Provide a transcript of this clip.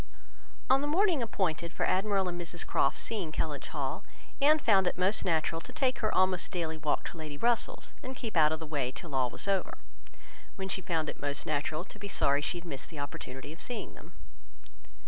On the morning appointed for Admiral and Mrs Croft's seeing Kellynch Hall, Anne found it most natural to take her almost daily walk to Lady Russell's, and keep out of the way till all was over; when she found it most natural to be sorry that she had missed the opportunity of seeing them.